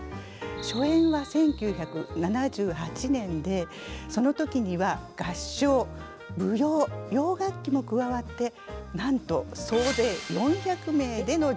初演は１９７８年でその時には合唱舞踊洋楽器も加わってなんと総勢４００名での上演でした。